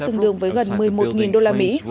tương đương với gần một mươi một đô la mỹ